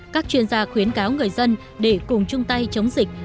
các chuyên gia khuyến cáo người dân để cùng chung tay chống dịch